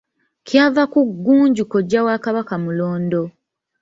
Kyava ku Ggunju kojja wa Kabaka Mulondo.